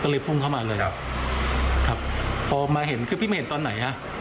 ก็เลยพุ่งเข้ามาเลยครับครับพอมาเห็นคือพี่ไม่เห็นตอนไหนฮะ